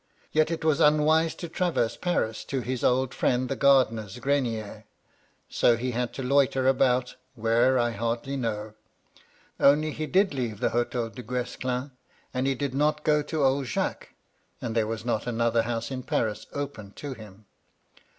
Yet it was unwise to traverse Paris to his old friend the gardener's grenier, so he MY LADY LUDLOW. 143 had to loiter about, where I hardly know. Only he did leave the Hotel Duguesclin, and he did not go to old Jacques, and there was not another house in Paris open to him.